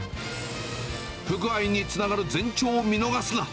不具合につながる前兆を見逃すな。